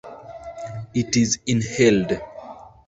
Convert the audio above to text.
It is inhaled.